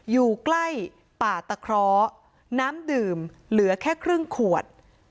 อยู่ใกล้ป่าตะเคราะห์น้ำดื่มเหลือแค่ครึ่งขวด